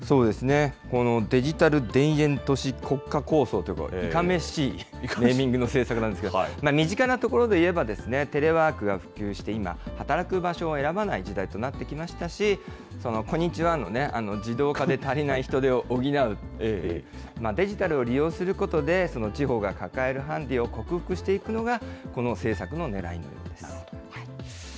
このデジタル田園都市国家構想という、いかめしいネーミングの政策なんですけど、身近なところでいえば、テレワークが普及して今、働く場所を選ばない時代となってきましたし、こんにちはの自動化で足りない人手を補う、デジタルを利用することで、地方が抱えるハンデを克服していくのが、この政策のねらい